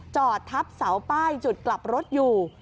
จอดทับเสาป้ายจุดกลับรถอยู่